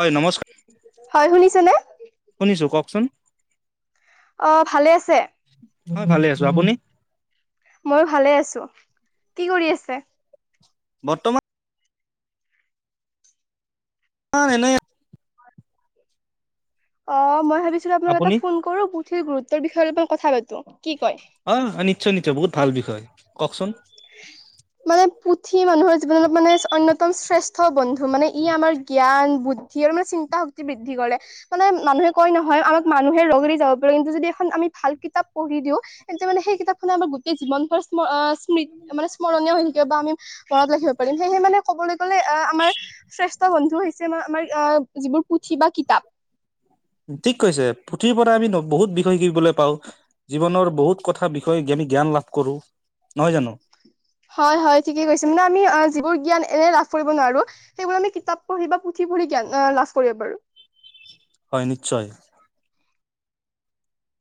হয় নমস্কাৰ। হয়, শুনিছা নে? শুনিছো, কওকচোন। অ' ভালে আছে। হয় ভালে আছো, আপুনি? ময়ো ভালে আছো, কি কৰি আছে? বৰ্তমান- মান এনেই। অঁ মই ভাবিছিলো আপোনাক এটা আপুনি ফোন কৰো পুথিৰ গুৰুত্বৰ বিষয়ে অলপমান কথা পাতো। কি কয়? অঁ নিশ্চয় নিশ্চয় বহুত ভাল বিষয়, কওকচোন। [unintelligible] মানে পুথি মানুহৰ জীৱনত মানে অন্যতম শ্ৰেষ্ঠ বন্ধু মানে ই আমাৰ জ্ঞান বুদ- ধি আৰু মানে চিন্তা শক্তি বৃদ্ধি কৰে। মানে মানুহে কয় নহয় আমাক মানুহে লগৰি যাব পাৰে, কিন্তু যদি এখন আমি ভাল কিতাপ পঢ়ি দিওঁ- তেন্তে মানে সেই কিতাপ খনে আমাৰ গোটেই জীৱনভৰ স্ম স্মি মানে স্মৰণীয় হৈ থাকিব বা আমি- মনত লাগিব পাৰিম, সেয়েহে মানে ক'বলৈ গ'লে এ আমাৰ- শ্ৰেষ্ঠ বন্ধু হৈছে আমাৰ অঁ যিবোৰ পুথি বা কিতাপ। ঠিক কৈছে। পুথিৰ পৰা আমি বহুত বিষয় শিকিবলৈ পাওঁ, - জীৱনৰ বহুত কথা বিষয়ে জ্ঞান লাভ কৰো। নহয় জানো? হয় হয়, ঠিকে কৈছে মানে আমি যিবোৰ জ্ঞান এনেই লাভ কৰিব নোৱাৰো, - সেইবোৰ আমি কিতাপ পঢ়ি বা পুথি পঢ়ি জ্ঞান অঁ লাভ কৰিব পাৰো। হয় নিশ্চয়।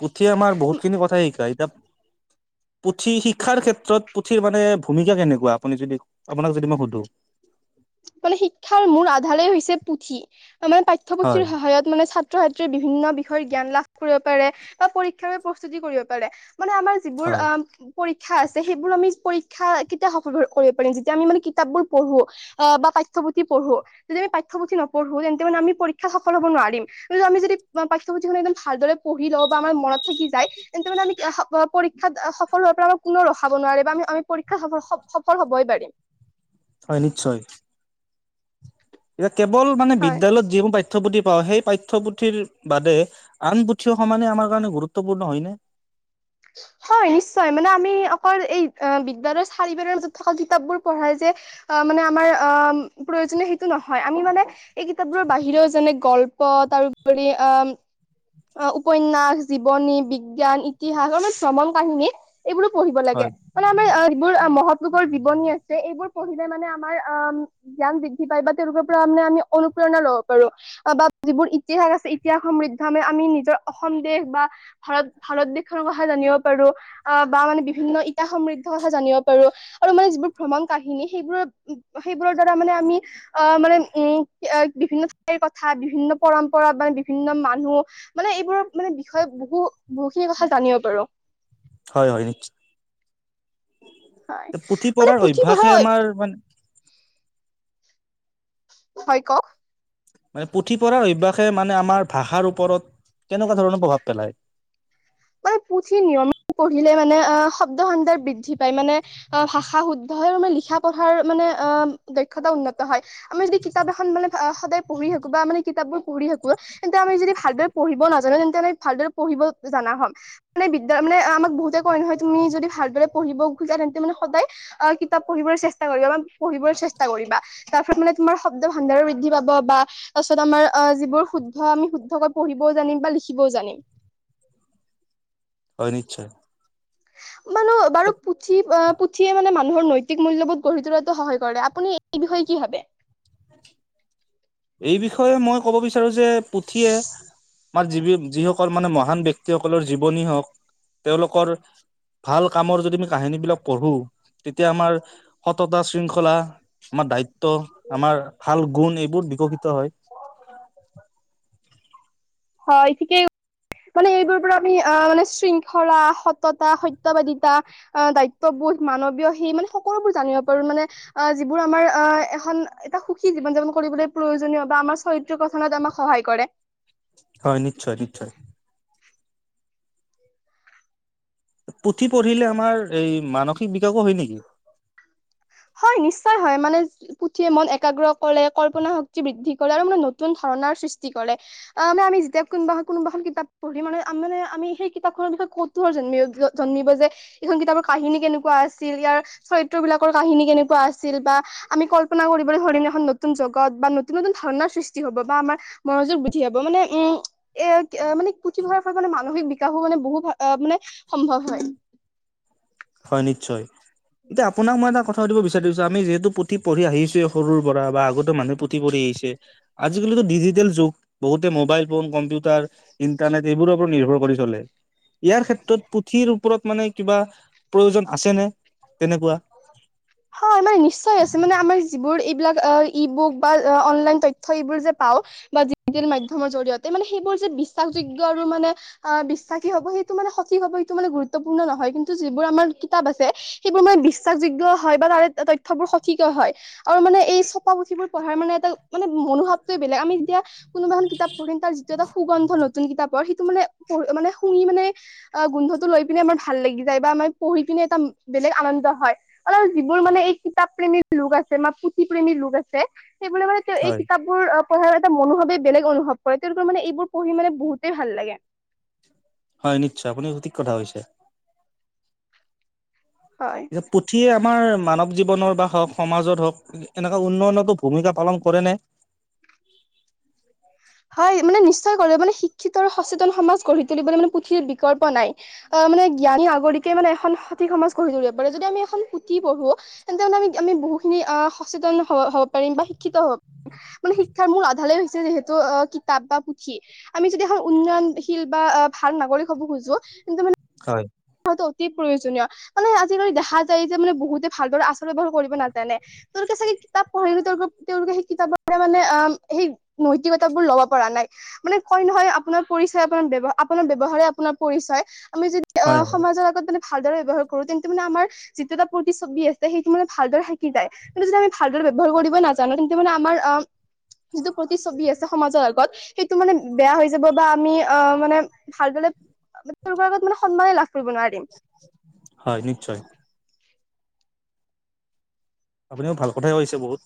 পুঠিয়ে আমাৰ বহুতখিনি কথাই শিকায় এতিয়া পুথি শিক্ষাৰ ক্ষেত্ৰত পুথিৰ মানে ভূমিকা কেনেকুৱা আপুনি যদি আপোনাক যদি মই সুধো। মানে শিক্ষাৰ মূল আধাৰেই হৈছে পুথি, আমাৰ পাঠ্যপুথিৰ হয় সহায়ত মানে ছাত ছাত্ৰ ছাত্ৰীৰ বিভিন্ন বিষয়ত জ্ঞান লাভ কৰিব পাৰে বা পৰীক্ষাৰ প্ৰস্তুতি কৰিব পাৰে মানে আমাৰ যিবোৰ হয় আ পৰীক্ষা আছে সেইবোৰ আমি পৰীক্ষা কেতিয়া সফল কৰিব পাৰিম যেতিয়া আমি মে কিতাপবোৰ পঢ়ো অ' বা পাঠ্যপুথি পঢ়ো যদি আমি পাঠ্যপুথি নপঢ়ো তেন্তে মানে আমি পৰীক্ষাত সফল হ'ব নোৱাৰিম। কিন্তু আমি যদি পাঠ্যপুথি একদম ভালদৰে পঢ়ি লওঁ বা আমাৰ মনত থাকি যায় তেন্ত মানে আমি স পৰীক্ষাত সফল হোৱাৰ পৰা আমাৰ কোনেও ৰখাব নোৱাৰে বা আমি আমি পৰীক্ষা সফল হ'বই পাৰিম। হয় নিশ্চয়। এতিয়া কেৱল মানে হয়। বিদ্যালয়ত যিবোৰ পাই পাঠ্যপুথি পাওঁ সেই পাঠ্যপুথিৰ বাদে আন পুথিও সমানে আমাৰ কাৰণে গুৰুত্বপূৰ্ণ হয়নে? হয় নিশ্চয়, মানে আমি অকল এই বিদ্যালৰ চাৰিবেৰ মাজত থকা কিতাপবোৰ পঢ়াই যে আ, মানে আমাৰ আ, প্ৰয়োজনীয় সেইটো নহয় আমি মানে এই কিতাপবোৰৰ বাহিৰেও যেনে গল্প তাৰোপৰি আ অ' উপন্যাস, জীৱনী, বিজ্ঞান, ইতিহাস আহ, মানে ভ্ৰমণ কাহিনী এইবোৰো পঢ়িব হয় লাগে। মানে আমাৰ আ, যিবোৰ মহৎ লোকৰ জীৱনী আছে এইবোৰ পঢ়িলে মানে আমাৰ আ জ্ঞান বৃদ্ধি পাই বা তেওঁলোকৰ পৰা মানে আমি অনুপ্ৰেৰণা ল'ব পাৰোঁ। বা যিবোৰ ইতিহাস আছে, ইতিহাস সমৃদ্ধি আমি আমি নিজৰ অসম দেশ বা ভাৰত ভাৰত দেশখনৰ কথা জানিব পাৰোঁ আহ, বা মানে বিভিন্ন ইতিহাস সমৃদ্ধৰ কথা জানিব পাৰোঁ। আৰু মানে যিবোৰ ভ্ৰমণ কাহিনী সেইবোৰৰ সেইবোৰৰ দ্বাৰা মানে আমি আ, মানে উম, বিভিন্ন ঠাইৰ কথা, বিভিন্ন পৰম্পৰা মানে বিভিন্ন মান নুহ মানে এইবোৰৰ মানে বিষয়ে বহু বহুখিনি কথা জানিব পাৰোঁ। হয় হয় নিশ্চ হয় পুথি মানে পঢ়াৰ অভ্যাসে পুথিভঁৰাল আমাৰ মানে হয় কওক। মানে পুথি পঢ়াৰ অভ্যাসে মানে আমাৰ ভাষাৰ ওপৰত কেনেকুৱা ধৰণৰ প্ৰভাৱ পেলায়? মানে পুথি নিয়মিত পঢ়িলে মানে আ, শব্দ সম্ভাৰ বৃদ্ধি পায় মানে আহ, ভাষা শুদ্ধ হয় আৰু মানে লিখা পঢ়াৰ মানে আহ, দক্ষতা উন্নত হয়। আমি যদি কিতাপ এখন মানে সদায় পঢ়ি থাকোঁ বা মানে কিতাপবোৰ পঢ়ি থাকোঁ তেন্তে আমি যদি ভালদৰে পঢ়িব নাজানো তেন্তে আমি ভালদৰে পঢ়িব জানা হম। মানে বিদ্যা মানে আমাক বহুতে কয় নহয় তুমি যদি ভালদৰে পঢ়িব খুজা তেন্তে মানে সদায় আ, কিতাপ পঢ়িবৰ চেষ্টা কৰিবা বা পঢ়িবৰ চেষ্টা কৰিবা। তাৰফলত মানে তোমাৰ শব্দ ভাণ্ডাৰো বৃদ্ধি পাব বা তাৰপিছত আমাৰ আ, যিবোৰ শুদ্ধ আমি শুদ্ধকৈ পঢ়িবও জানিম বা লিখিবও জানিম। হয় নিশ্চয়। মানুহ বাৰু পুঠি বা পুথিয়ে মানে মানুহৰ নৈতিক মূ্ল্যবোধ গঢ়ি তোলাতো সহায় কৰে আপুনি এই বিষয়ে কি ভাবে? এই বিষয়ে মই ক'ব বিচাৰো যে পুথিয়ে আমাৰ যিবি যিসকল মানে মহান ব্যক্তিসকলৰ জীৱনী হওক তেওঁলোকৰ ভাল কামৰ যদি আমি কাহিনীবিলাক পঢ়ো তেতিয়া আমাৰ সত ততা শৃংখলা, আমাৰ দায়িত্ব, আমাৰ ভাল গুণ এইবোৰ বিকশিত হয়। হয়, ঠিকেই মানে এইবোৰ পৰা আ আমি মানে শৃংখলা, সততা, সত্যবাদিতা আহ দায়িত্ববোধ মানৱীয় সেই মানে সকলোবোৰ জানিব পাৰো মানে। অ, যিবোৰ আমাৰ আ, এখন এটা সুখী জীৱন যাপন কৰিবলৈ প্ৰয়োজনীয় বা আমাৰ চৰিত্ৰ গথনত আমাক সহায় কৰে। হয় নিশ্চয়, নিশ্চয়। পুথি পঢ়িলে আমাৰ এই মানসিক বিকাশো হয় নেকি? হয় নিশ্চয় হয়। মানে পুথিয়ে মন একাগ্ৰ কৰে, কল্পনা শক্তি বৃদ্ধি কৰে আৰু মানে নতুন ধাৰণাৰ সৃষ্টি কৰে। অ', মানে আমি যেতিয়া কোনোবা কোনবাখন কিতাপ পঢ়ি মানে মানে আমি সেই কিতাপখনৰ বিষয়ে ক'ত কৌতুহল জন্মিব জন্মিব যে এইখন কিতাপৰ কাহিনী কেনেকুৱা আছিল ইয়াৰ চৰিত্ৰ বিলাকৰ কাহিনী কেনেকুৱা আছিল বা আমি কল্পনা কৰিবলৈ ধৰিম এখন নতুন জগত বা নতুন-নতুন ধাৰণাৰ সৃষ্টি হ'ব। বা আমাৰ মগজুৰ বৃদ্ধি হ'ব। মানে উম এ, এ, মানে পুথি পঢ়াৰ পৰা মানে মানসিক বিকাশো মানে বহুত মানে সম্ভৱ হয়। হয় নিশ্চয়। এতিয়া আপোনাক মই এটা কথা শুধিব বিচাৰিছো যে আমি যিহেতু পুথি পঢ়ি আহিছো সৰুৰ পৰা। বা আগতে মানুহে পুথি পঢ়ি আহিছে আজিকালিতো ডিজিটেল যুগ, বহুতে মোবাইল ফোন কম্পিউটাৰ ইণ্টাৰনেট এইবোৰৰ ওপৰত নিৰ্ভৰ কৰি চলে ইয়াৰ ক্ষেত্ৰত পুথিৰ ওপৰত মানে কিবা প্ৰয়োজন আছে নে তেনেকুৱা? হয়। মানে নিশ্চয় আছে, মানে আমাৰ যিবোৰ এইবিলাক ই বুক বা অনলাইন তথ্য এইবোৰ যে পাওঁ বা ডিজিটেল মাধ্যমৰ জৰিয়তে মানে সেইবোৰ যে বিশ্বাসযোগ্য আৰু মানে আ, বিশ্বাসী হ'ব সেইটো মানে সঠিক হ'ব সেইটো মানে গুৰুত্বপূৰ্ণ নহয়। কিন্তু যিবোৰ আমাৰ কিতাপ আছে সেইবোৰ মানে বিশ্বাসযোগ্য হয় বা তাৰে তথ্যবোৰ সঁঠিকো হয়। আৰু মানে এই চপা পুথিবোৰ পঢ়াৰ মানে এটা মানে মনোভাৱটোৱে বেলেগ, আমি যেতিয়া কোনোবা এখন কিতাপ পঢ়িম তাৰ যিটো এটা সুগন্ধ নতুন কিতাপৰ সেইটো মানে পঢ় মানে শুঙি মানে অ' গোন্ধটো লৈ পিনে আমাৰ ভাল লাগি যায় বা আমাৰ পঢ়ি পিনে এটা বেলেগ আনন্দ হয়। আৰু যিবোৰ মানে এই কিতাপ প্ৰেমীৰ লোক আছে বা পুথি প্ৰেমীৰ লোক আছে, সেইবোৰে মানে তেওঁ এই হয় কিতাপ বোৰ পঢ়াৰ এটা মনোভাৱে বেলেগ অনুভৱ কৰে, তেওঁলোকৰ মানে এইবোৰ পঢ়ি মানে বহুতেই ভাল লাগে। হয় নিশ্চয়, আপুনি সঠিক কথা কৈছে। হয়। পুথি আমাৰ মানৱ জীৱনৰ বা হওঁক, সমাজত হওঁক এনেকা উন্নয়নতো ভূমিকা পালন কৰেনে? হয়, মানে নিশ্চয় কৰে, মানে শিক্ষিত আৰু সচেতন সমাজ গঢ়ি তুলিবলৈ মানে পুথিৰ বিকল্প নাই। আ, মানে জ্ঞানী নাগৰিকে মানে এখন সঠিক সমাজ গঢ়ি তুলিব পাৰে, যদি আমি এখন পুথি পঢ়ো তেন্তে মানে আমি আমি বহুখিনি আ সচেতন হ'ব হ'ব পাৰিম বা শিক্ষিত হ'ব মানে শিক্ষাৰ মূল আধাৰেই যিহেতু অ' কিতাপ বা পুথি। আমি যদি এখন উন্নয়নশীল বা ভাল নাগৰিক হ'ব খোজো, তেন্ত মানে হয়। টো অতি প্ৰয়োজনীয়, মানে আজিলৈ দেখা যায় যে মানে বহুতে ভালদৰে আচাৰ ব্যৱহাৰ কৰিব নাজানে। তেওঁলোকে চাগে কিতাপ পঢ়ে, তেওঁলো তেওঁলোকে সেই কিতাপ মানে আ সেই নৈতিকতাবোৰ ল'ব পৰা নাই। মানে কয় নহয় আপোনাৰ পৰিচয় আপোনাৰ ব্যৱ আপোনাৰ ব্যৱহাৰে আপোনাৰ পৰিচয়, আমি যদি অ' হয় হয় সমাজৰ লগত মানে ভালদৰে ব্যৱহাৰ কৰো। তেন্তে মানে আমাৰ যিটো এটা প্ৰতিচ্ছবি আছে, সেইটো মানে ভালদৰে থাকি যায়। কিন্তু যদি আমি ভালদৰে ব্যৱহাৰ কৰিব নাজানো, তেন্তে মানে আমাৰ আ যিটো প্ৰতিচ্ছবি আছে সমাজৰ আগত, সেইটো মানে বেয়া হৈ যাব বা আমি আহ মানে ভালদৰে তেওঁলোকৰ আগত মানে সন্মানে লাভ কৰিব নোৱাৰিম। হয় নিশ্চয়। আপুনি মোক ভাল কথথাই কৈছে বহুত।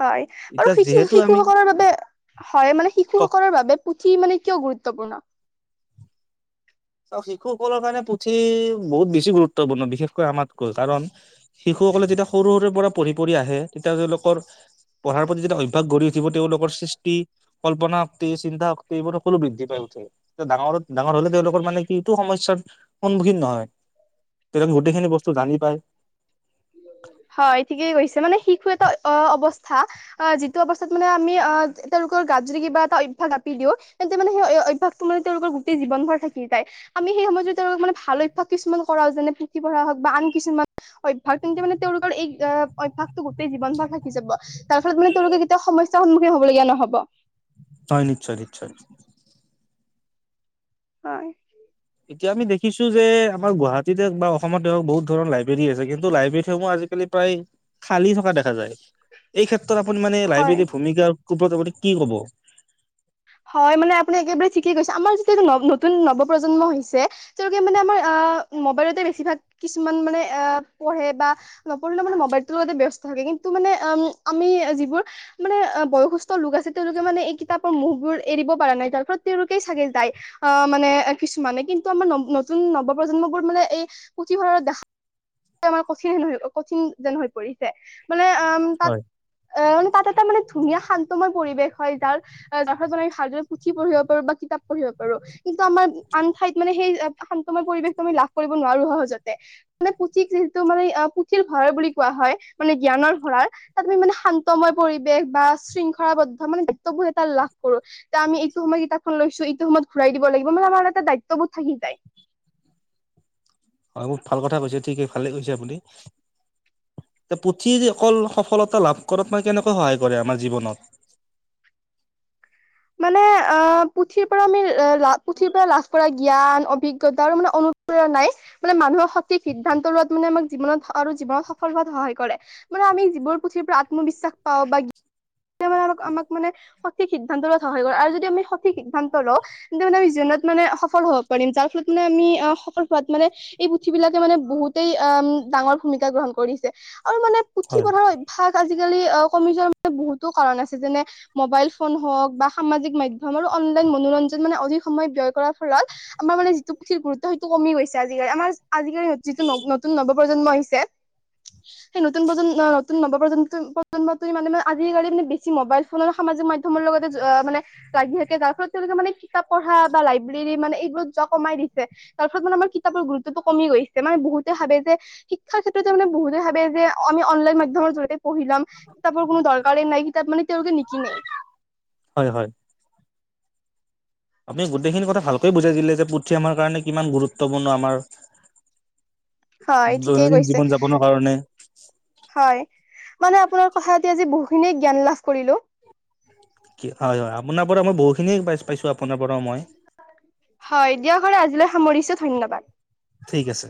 হয়, আৰু এতিয়া যিহেতু আমি শি-শিশুসকলৰ বাবে হয়, মানে শিশুসকলৰ বাবে পুথি মানে কিয় গুৰুত্বপূৰ্ণ? শিশুসকলৰ কাৰণে পুথি বহুত বেছি গুৰুত্বপূৰ্ণ বিশেষকৈ আমাতকৈ কাৰণ শিশুসকলে যেতিয়া সৰু সৰুৰে পৰা পঢ়ি পঢ়ি আহে তেতিয়া তেওঁলোকৰ পঢ়াৰ প্ৰতি যেতিয়া অভ্যাস গঢ়ি উঠিব, তেওঁলোকৰ সৃষ্টি কল্পনা শক্তি, চিন্তা শক্তি এইবোৰ সকলো বৃদ্ধি পাই উঠে, ডাঙৰ ডাঙৰ হ'লে তেওঁলোক বোৰ মানে কি এইটো সমস্যাৰ সন্মুখীন নহয়, তেওঁলোক গোটেইখিনি বস্তু জানি পায়। হয় ঠিকেই কৈছে, মানে শিশু এটা অ' অৱস্থা। অ' যিটো অৱস্থাত মানে আমি অ' তেওঁলোকৰ গাত যদি কিবা এটা অভ্যাস জাপি দিওঁ, তেন্ত সেই মানে সেই অভ্যাস টো মানে তেওঁলোকৰ গোটেই জীৱন ভৰ থাকি যায়। আমি সেই সময়ত যদি তেওঁলোকক মানে ভাল অভ্যাস কিছুমান কৰাও যেনে পুথি পঢ়া হওঁক বা আন কিছুমা হয় তেন্তে মানে তেওঁলোকৰ এই আ, অভ্যাস টো গোটেই জীৱন ভৰ থাকি যাব, তাৰফলত মানে তেওঁলোকৰ কেতিয়াও সম্যাৰ সন্মুখন হ'বলগীয়া নহ'ব। হয় নিশ্চয় নিশ্চয়। হয়। এতিয়া আমি দেখিছোঁ যে আমাৰ গুৱাহাটীতে বা অসমত হওঁক, বহুত ধৰণ লাইব্ৰৰী আছে। কিন্তু লাইব্ৰেৰীসমূহত আজিকালি প্ৰায় খালী থকা দেখা যায়। এই ক্ষেত্ৰত আপুনি মানে হয় লাইব্ৰেৰীৰ ভূমিকাৰ ওপৰত আপুনি কি ক'ব? হয় মানে আপুনি একেবাৰে ঠিকেই কৈছে, আমাৰ যেতিয়া ন-নতুন নৱ প্ৰজন্ম হৈছে। তেওঁলোকে মানে আমাৰ আহ' মোবাইলতে বেছিভাগ কিছুমান মানে আহ পঢ়ে বা নপঢ়িলে মানে মোবাইলটোৰ লগতে ব্যস্ত থাকে কিন্তু মানে উম আমি যিবোৰ মানে অ' বয়সস্থ লোক আছে তেওঁলোকে মানে এই কিতাপৰ [unintelligible] বোৰ এৰিব পাৰা নাই তাৰ [unintelligible] তেওঁৰোকেই চাগে দায়ী। অ' মানে কিছুমানে কিন্তু আমাৰ নতুন নৱপ্ৰজন্মবোৰ মানে এই পুথিভঁৰালৰ দেখা আমাৰ কঠিন হেন কঠিন যেন হৈ পৰিছে। মানে অ' তাত হয় অ' মানে তাত এটা মানে ধুনীয়া শান্তময় পৰিৱেশ হয়। যাৰ [unintelligible] পুঠি পঢ়িব পাৰো বা কিতা পঢ়িব পাৰো। কিন্তু আমাৰ আন ঠাইত মানে সেই শান্তময় পৰিৱেশটো আমি লাভ কৰিব নোৱাৰো সহজতে। মানে পুথিত যিহেতু মানে পুথিৰ ভঁৰাল বুলি কোৱা হয় মানে জ্ঞানৰ ভঁৰাল। তাত আমি মানে শান্তময় পৰিৱেশ বা শৃংখলাবদ্ধ মানে দায়ত্ববোধ এটা লাভ কৰো, ত' আমি এইটো সময় কিতাপখন লৈছো, এইটো সময়ত ঘূৰাই দিব লাগিব মানে আমাৰ এটা দায়িত্ববোধ থাকি যায়। হয় বহুত ভাল কথা কৈছে, ঠিকে ভালে কৈছে আপুনি। এ পুথি অকল সফলতা লাভ কৰাত মানে কেনেকৈ সহায় কৰে আমাৰ জীৱনত? মানে অ' পুথিৰ পৰা আমি পুথিৰ পৰা লাভ কৰা জ্ঞান অভিজ্ঞতা আৰু মানে অনু নাই, মানে মানুহৰ সঠিক সিদ্ধান্ত লোৱাত মানে আমাক জীৱনত আৰু জীৱনত সফল হোৱাত সহায় কৰে। মানে আমি জীৱনত পুথিৰ পৰা আত্মবিশ্বাস পাওঁ বা তেতিয়া মানে আমাক মানে সঠিক সিদ্ধান্ত লোৱাত সহায় কৰে, আৰু যদি আমি সঠিক সিদ্ধান্ত লওঁ। তেন্তে মানে আমি জীৱনত মানে সফল হব পাৰিম, যাৰ ফলত মানে আমি অ' সফল হোৱাত মানে এই পুথি বিলাকে মানে বহুতেই আহ' ডাঙৰ ভূমিকা গ্ৰহণ কৰিছে। আৰু মানে পুথি হয় পঢ়াৰ অভ্যাস আজিকালি কমি যোৱাৰ মানে বহুতো কাৰণ আছে। যেনে মোবাইল ফোন হওক বা সামাজিক মাধ্যমৰো আৰু অনলাইন মনোৰঞ্জন মানে অধিক সময় ব্যয় কৰাৰ ফলত। আমাৰ মানে যিটো পুঠিৰ গুৰুত্ব সেইটো কমি গৈছে আজিকালি আমাৰ আজিকালি যিটো নতুন নৱ প্ৰজন্ম আহিছে সেই নতুন প্ৰজন্ম নতুন নৱ প্ৰজন্ম প্ৰজন্ম তি মানে আজিকালি মানে বেছি মোবাইল ফোনৰ সামাজিক মাধ্যমৰ লগতে মানে লাগি থাকে যাৰ ফলত তেওঁলোকে মানে কিতাপ পঢ়া বা লাইব্ৰেৰী মানে এইবোৰত যোৱা কমাই দিছে তাৰপিছত মানে আমাৰ কিতাপৰ গুৰুত্বতটো কমি গৈছে মানে বহুতে ভাবে যে শিক্ষাৰ ক্ষেত্ৰতে মানে বহুতে ভাবে যে আমি অনলাইন মাধ্যমৰ জৰিয়তে পঢ়ি লম কিতাপৰ কোনো দৰকাৰ কাৰ নাই কিতাপ মানে তেওঁলোকে নিকিনে হয় হয় আপুনি গোটেইখিনি কথা ভালকে বুজাই দিলে যে পুথি আমাৰ কাৰণে কিমান গুৰুত্বপূৰ্ণ আমাৰ হয় ঠিকেই দৈনন্দিন কৈছে জীৱন যাপনৰ কাৰণে হয় মানে আপোনাৰ লগত কথা পাতি আজি বহুখিনিয়ে জ্ঞান লাভ কৰিলো কি হয় হয় আপোনাৰ পৰা মই বহুখিনিয়ে পাইছ পাইছোঁ আপোনাৰ পৰাও মই হয় দিয়ক আজিলৈ সামৰিছো ধন্যবাদ ঠিক আছে